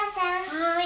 はい。